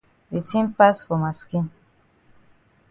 De tin pass for ma skin.